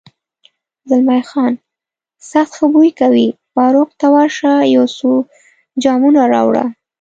زلمی خان: سخت ښه بوی کوي، فاروق، ته ورشه یو څو جامونه راوړه.